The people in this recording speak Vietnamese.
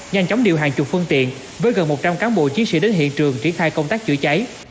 nhanh chóng điều hàng chục phương tiện với gần một trăm linh cán bộ chiến sĩ đến hiện trường triển khai công tác chữa cháy